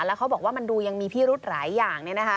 แล้วเขาบอกว่ามันดูยังมีพิรุธหลายอย่าง